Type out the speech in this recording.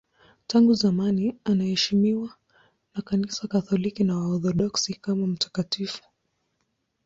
Tangu zamani anaheshimiwa na Kanisa Katoliki na Waorthodoksi kama mtakatifu.